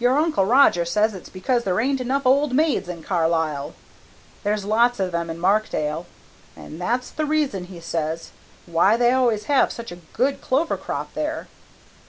Your Uncle Roger says it's because there ain't enough old maids in Carlisle. There's lots of them in Markdale, and that's the reason, he says, why they always have such good clover crops there."